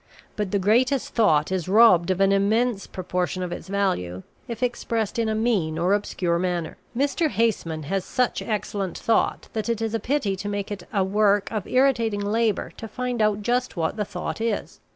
But the greatest thought is robbed of an immense proportion of its value if expressed in a mean or obscure manner. Mr. Haseman has such excellent thought that it is a pity to make it a work of irritating labor to find out just what the thought is.